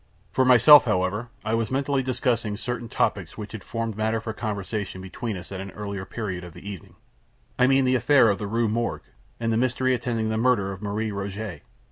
For myself, however, I was mentally discussing certain topics which had formed matter for conversation between us at an earlier period of the evening; I mean the affair of the Rue Morgue, and the mystery attending the murder of Marie Rogêt.